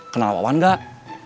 kenal wawan gak